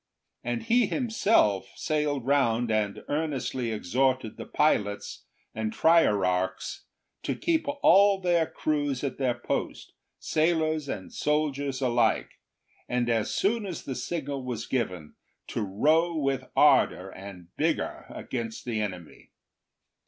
And he himself sailed round and earnestly exhorted the pilots and trierarchs to keep all their crews at their post, sailors and soldiers alike, and as soon as the signal was given, to row with ardour and vigour against the enemy.